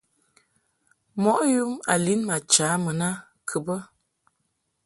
Mɔʼ yum a lin ma cha mun a kɨ bɛ.